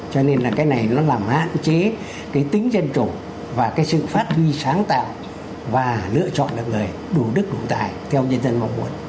cho nên là cái này nó làm hạn chế cái tính dân chủ và cái sự phát huy sáng tạo và lựa chọn được người đủ đức đủ tài theo nhân dân mong muốn